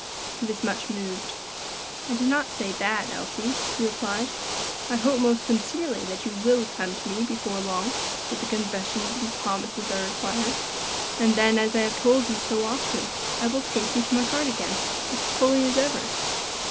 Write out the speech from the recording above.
He was much moved. "I did not say that, Elsie," he replied. "I hope most sincerely that you will come to me before long with the confessions and promises I require; and then, as I have told you so often, I will take you to my heart again, as fully as ever.